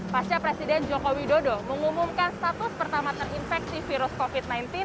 pasca presiden joko widodo mengumumkan status pertama terinfeksi virus covid sembilan belas